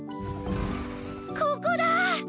ここだ！